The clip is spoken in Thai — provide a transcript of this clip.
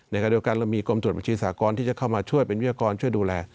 ขณะเดียวกันเรามีกรมตรวจบัญชีสากรที่จะเข้ามาช่วยเป็นวิทยากรช่วยดูแล